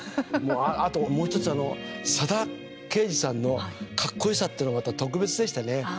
あともう１つ佐田啓二さんのかっこよさっていうのがまた特別でしたね。